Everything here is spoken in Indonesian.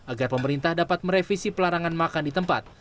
agar pemerintah dapat merevisi pelarangan makan di tempat